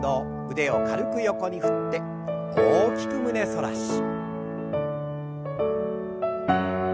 腕を軽く横に振って大きく胸反らし。